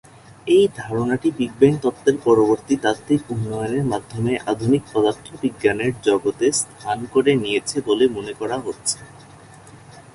এই ধারণাটি big bang তত্ত্বের পরবর্তী তাত্ত্বিক উন্নয়নের মাধ্যমে আধুনিক পদার্থবিজ্ঞানের জগতে স্থান করে নিয়েছে বলে মনে করা হচ্ছে।